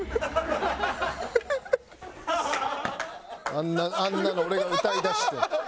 あんなあんなの俺が歌いだして。